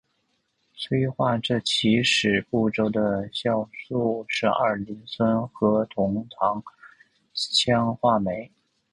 催化这起始步骤的酵素是二磷酸核酮糖羧化酶。